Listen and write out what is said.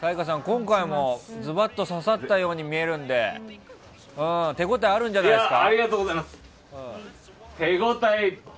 今回もズバッと刺さったように見えるんで手応えあるんじゃないですか？